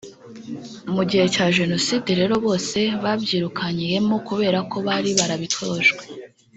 Mu gihe cya Jenoside rero bose babyirukankiyemo kubera ko bari barabitojwe